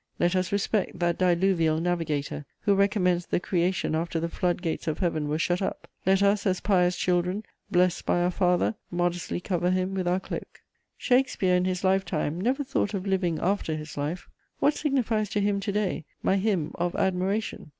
Let us respect that diluvial navigator, who recommenced the Creation after the flood gates of Heaven were shut up: let us, as pious children, blessed by our father, modestly cover him with our cloak. Shakespeare, in his lifetime, never thought of living after his life: what signifies to him to day my hymn of admiration?